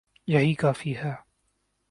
یہی کافی ہے۔